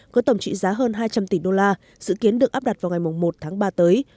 có tổng trị giá hơn hai trăm linh tỷ đô la dự kiến được áp đặt vào ngày một tháng ba tới